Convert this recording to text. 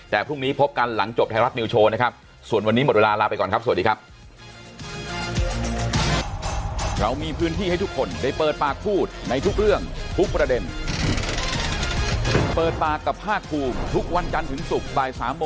แต่พรุ่งนี้พบกันหลังจบไทยรัฐนิวโชว์นะครับส่วนวันนี้หมดเวลาลาไปก่อนครับสวัสดีครับ